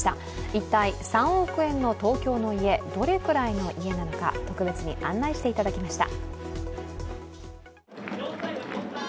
一体、３億円の東京の家、どれくらいの家なのか、特別に案内していただきました。